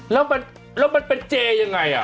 แล้วมันเป็นอันนี้ยังไง